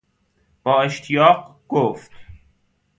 با اشتیاق گفت